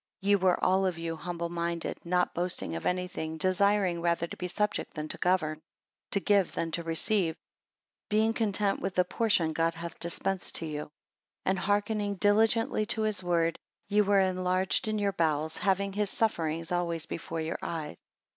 8 Ye were all of you humble minded, not boasting of anything desiring rather to be subject than to govern; to give than to receive; being a content with the portion God hath dispensed to you: 9 And hearkening diligently to his word, ye were enlarged in your bowels, having his sufferings always before your eyes.